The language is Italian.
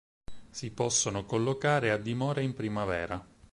Si possono collocare a dimora in primavera.